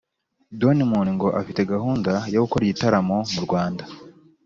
don moen ngo afite gahunda yo gukora igitaramo mu rwanda